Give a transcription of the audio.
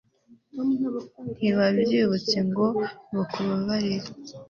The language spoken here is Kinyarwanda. ntibabyibutse ngo bakubabarire